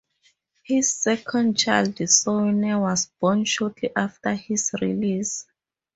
His second child, Sonia, was born shortly after his release.